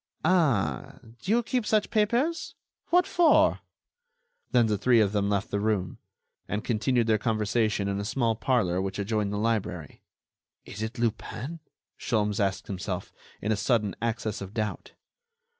"Ah! do you keep such papers? What for?" Then the three of them left the room, and continued their conversation in a small parlor which adjoined the library. "Is it Lupin?" Sholmes asked himself, in a sudden access of doubt.